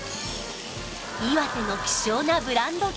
岩手の希少なブランド牛